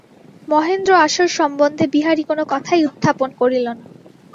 মহেন্দ্র-আশার সম্বন্ধে বিহারী কোনো কথাই উত্থাপন করিল না।